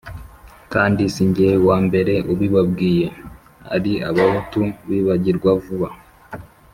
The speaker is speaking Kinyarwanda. kandi si jye wa mbere ubibabwiye, ari abahutu bibagirwa vuba